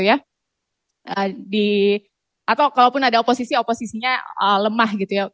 atau kalau pun ada oposisi oposisinya lemah